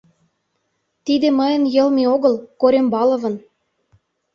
Тиде мыйын йылме огыл, Корембаловын...